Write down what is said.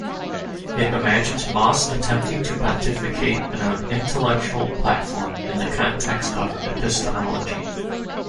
It imagines Moss attempting to pontificate an intellectual platform in the context of epistemology.